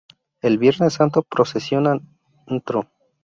El Viernes Santo procesiona Ntro.